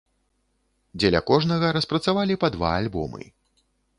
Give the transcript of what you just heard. Дзеля кожнага распрацавалі па два альбомы.